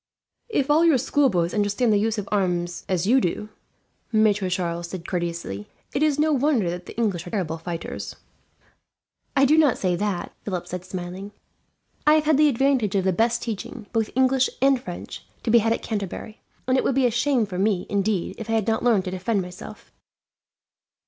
"If all your schoolboys understand the use of their arms as you do," Maitre Charles said courteously, "it is no wonder that the English are terrible fighters." "I do not say that," Philip said, smiling. "I have had the advantage of the best teaching, both English and French, to be had at Canterbury; and it would be a shame for me, indeed, if I had not learnt to defend myself."